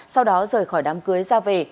sau đó rời khỏi đám cưới ra về